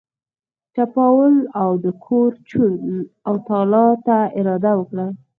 چپاول او د کور چور او تالا ته اراده وکړه.